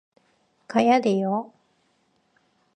가야 돼요.